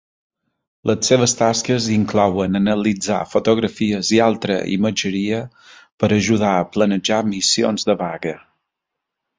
Les seves tasques inclouen analitzar fotografies i altra imatgeria per ajudar a planejar missions de vaga.